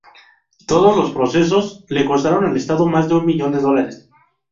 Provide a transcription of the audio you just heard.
Todos los procesos, le costaron al Estado más de un millón de dólares.